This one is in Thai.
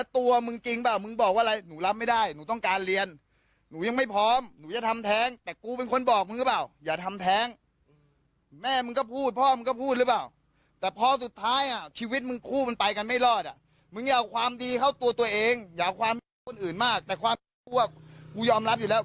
ตัวเองอย่าเอาความคนอื่นมากแต่ความว่ากูยอมรับอยู่แล้ว